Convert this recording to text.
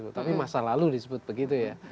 tapi masa lalu disebut begitu ya